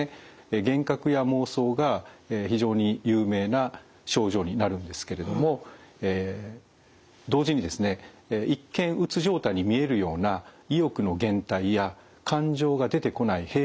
幻覚や妄想が非常に有名な症状になるんですけれども同時に一見うつ状態に見えるような意欲の減退や感情が出てこない平板化といわれるような状態